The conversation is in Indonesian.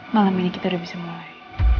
malam ini kita sudah bisa mulai